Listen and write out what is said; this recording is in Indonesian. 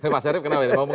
mas arief kenapa ini